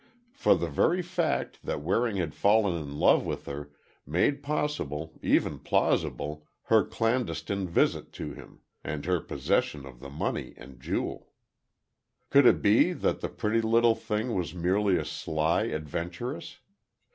For, the very fact that Waring had fallen in love with her, made possible, even plausible, her clandestine visit to him, and her possession of the money and jewel. Could it be that the pretty little thing was merely a sly adventuress?